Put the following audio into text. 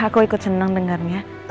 aku ikut seneng dengarnya